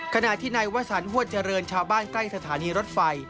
ขณะที่ในวัฒนหัวเจริญชาบ้านใกล้สถานีรถไฟ